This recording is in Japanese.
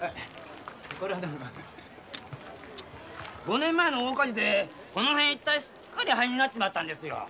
五年前の大火事でこの辺一帯がすっかり灰になっちまったんです。